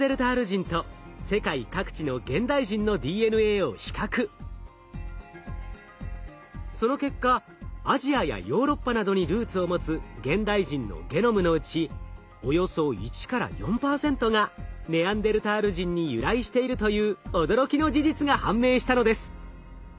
更にペーボ博士はその結果アジアやヨーロッパなどにルーツを持つ現代人のゲノムのうちおよそ１４％がネアンデルタール人に由来しているという驚きの事実が判明したのです。